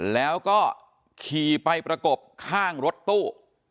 แล้วก็ขี่ไปประกบข้างรถตู้